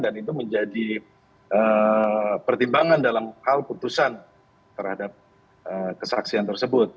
dan itu menjadi pertimbangan dalam hal keputusan terhadap kesaksian tersebut